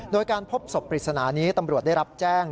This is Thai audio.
โดยการพบศพปริศนานี้ตำรวจได้รับแจ้ง